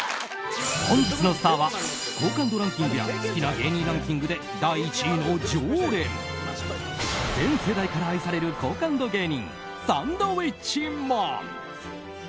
本日のスターは好感度ランキングや好きな芸人ランキングで第１位の常連全世代から愛される好感度芸人サンドウィッチマン。